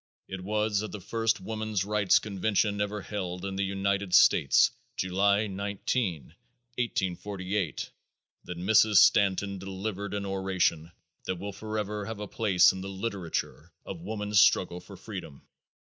It was at the first Woman's Rights convention ever held in the United States, July 19, 1848, that Mrs. Stanton delivered an oration that will forever have a place in the literature of woman's struggle for freedom.